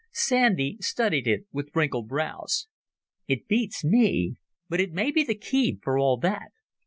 Sandy studied it with wrinkled brows. "It beats me. But it may be the key for all that.